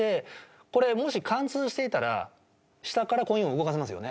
これもし貫通していたら下からコインを動かせますよね？